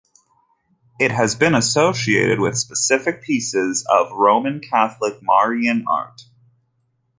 It has been associated with specific pieces of Roman Catholic Marian art.